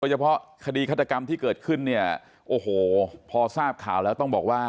โดยเฉพาะคดีคาตรกรรมที่เกิดขึ้นพอทราบข่าวแล้วต้องบอกว่า